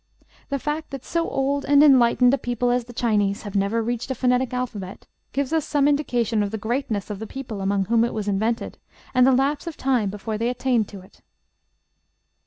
The fact that so old and enlightened a people as the Chinese have never reached a phonetic alphabet, gives us some indication of the greatness of the people among whom it was invented, and the lapse of time before they attained to it.